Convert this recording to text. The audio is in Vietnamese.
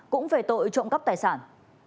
cũng về tội trộm cắp tài sản